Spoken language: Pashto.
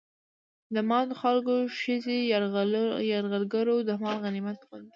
د ماتو خلکو ښځې يرغلګرو د مال غنميت غوندې